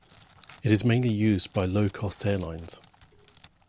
It is mainly used by low-cost airlines.